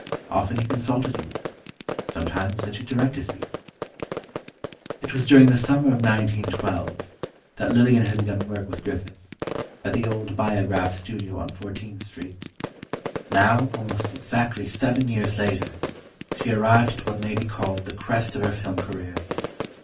Often, he consulted you—sometimes let you direct a scene. It was during the summer of 1912 that Lillian had begun work with Griffith, at the old Biograph studio on Fourteenth Street. Now, almost exactly seven years later, she arrived at what may be called the crest of her film career.